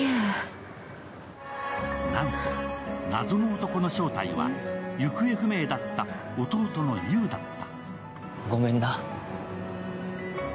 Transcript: なんと、謎の男の正体は行方不明だった弟の優だった。